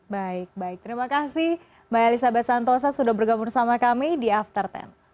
baik baik terima kasih mbak elizabeth santosa sudah bergabung sama kami di after sepuluh